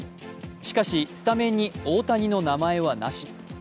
しかし、スタメンに大谷の名前はなし。